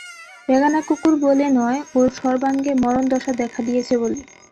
বেগানা কুকুর বলে নয়, ওর সর্বাঙ্গে মরণদশা দেখা দিয়েছে বলে।